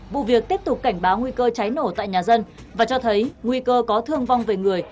vụ việc tiếp tục cảnh báo nguy cơ cháy nổ tại nhà dân và cho thấy nguy cơ có thương vong về người